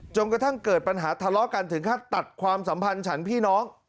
จนกระทั่งเกิดปัญหาทะเลาะกันถึงขั้นตัดความสัมพันธ์ฉันพี่น้อง